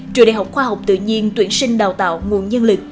trường đại học khoa học tự nhiên tuyển sinh đào tạo nguồn nhân lực